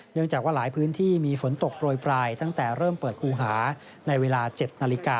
เนื่องจากว่าหลายพื้นที่มีฝนตกโปรยปลายตั้งแต่เริ่มเปิดคูหาในเวลา๗นาฬิกา